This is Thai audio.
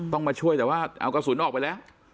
มาช่วยแต่ว่าเอากระสุนออกไปแล้ว